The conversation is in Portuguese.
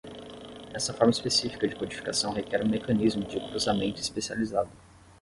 Essa forma específica de codificação requer um mecanismo de cruzamento especializado.